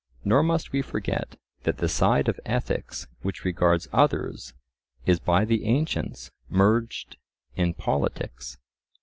Nor must we forget that the side of ethics which regards others is by the ancients merged in politics.